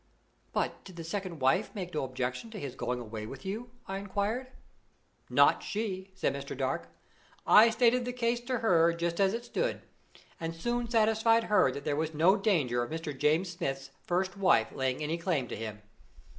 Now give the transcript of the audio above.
"But did the second wife make no objection to his going away with you?" I inquired. "Not she," said Mr. Dark. "I stated the case to her just as it stood, and soon satisfied her that there was no danger of Mr. James Smith's first wife laying any claim to him.